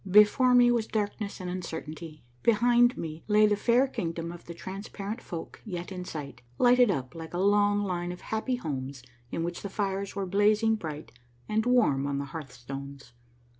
Before me was darkness and uncertainty ; behind me lay tlie fair Kingdom of the Transparent Folk yet in sight, lighted up like a long line of happy homes in which the fires were blazing bright and warm on the hearthstones.